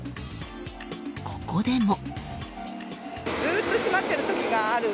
ここでも。